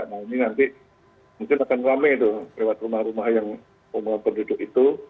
nah ini nanti mungkin akan rame itu lewat rumah rumah penduduk itu